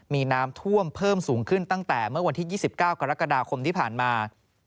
มีน้ำท่วมเพิ่มสูงขึ้นตั้งแต่เมื่อวันที่๒๙กรกฎาคมที่ผ่านมา